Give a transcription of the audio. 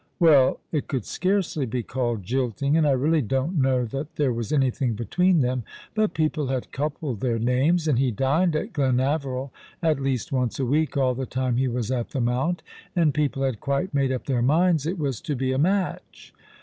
" Well, it could scarcely be called jilting, and I really don't know that there was anything between them ; but people had coupled their names — and he dined at Glenaveril at least once a week all the time he was at the Mount — and people had quite made up their minds it was to be a match.